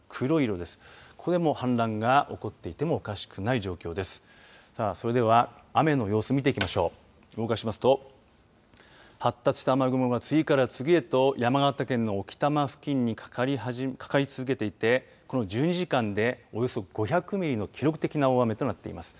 動かしますと発達した雨雲が次から次へと山形県の置賜付近にかかり続けていてこの１２時間でおよそ５００ミリの記録的な大雨となっています。